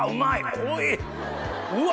うわ！